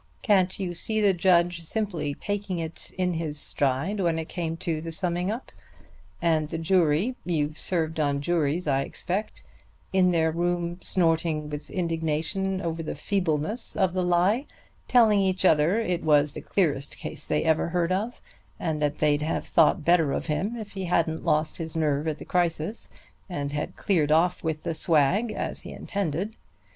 Can't you see the judge simply taking it in his stride when it came to the summing up? And the jury you've served on juries, I expect in their room, snorting with indignation over the feebleness of the lie, telling each other it was the clearest case they ever heard of, and that they'd have thought better of him if he hadn't lost his nerve at the crisis, and had cleared off with the swag as he intended.